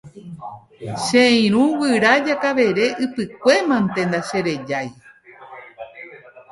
Che irũ guyra Jakavere Ypykue mante ndacherejái.